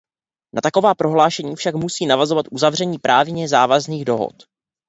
Na taková prohlášení však musí navazovat uzavření právně závazných dohod.